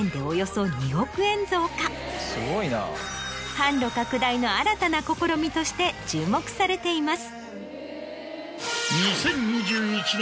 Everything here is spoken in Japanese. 販路拡大の新たな試みとして注目されています。